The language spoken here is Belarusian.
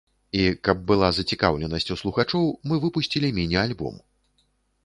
І, каб была зацікаўленасць у слухачоў, мы выпусцілі міні-альбом.